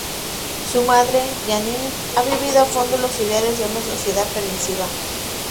Su madre, Janine, ha vivido a fondo los ideales de una sociedad permisiva.